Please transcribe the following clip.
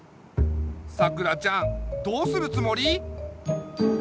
さくらちゃんどうするつもり？